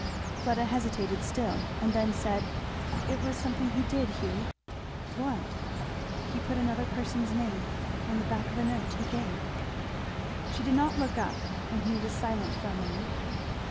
Fleda hesitated still, and then said, "It was something he did, Hugh." "What?" "He put another person's name on the back of a note he gave." She did not look up, and Hugh was silent for a moment.